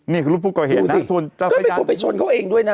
นี่คือรูปฟุกก่อเหตุนะฮะดูสิก็ไปชนเขาเองด้วยนะ